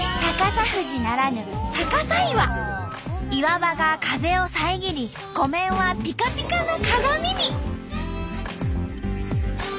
岩場が風を遮り湖面はピカピカの鏡に！